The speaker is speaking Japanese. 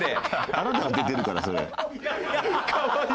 あなたが出てるからそれ。